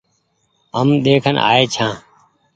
هم ۮيکين آئي ڇآن ۔